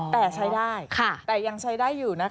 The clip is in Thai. แต่ใช้ได้แต่ยังใช้ได้อยู่นะคะ